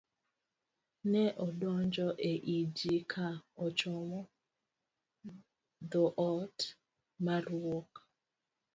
ne odonjo e i ji ka ochomo dhoot mar wuok